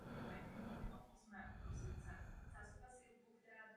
Offenbach je hrán často.